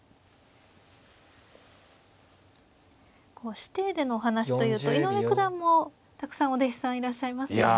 師弟でのお話というと井上九段もたくさんお弟子さんいらっしゃいますよね。